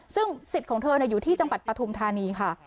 ซึ่งสิทธิ์ของเธออยู่ที่จังหวัดปฐุมธานีค่ะ